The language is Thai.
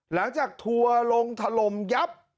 หลังจากทัวร์ลงถล่มยับ